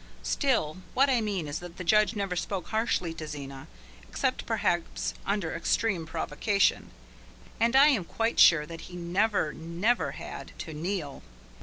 Still, what I mean is that the judge never spoke harshly to Zena, except perhaps under extreme provocation; and I am quite sure that he never, never had to Neil.